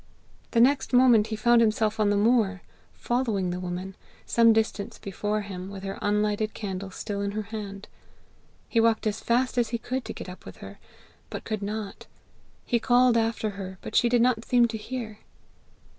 The next moment he found himself on the moor, following the woman, some distance before him, with her unlighted candle still in her hand. He walked as fast as he could to get up with her, but could not; he called after her, but she did not seem to hear.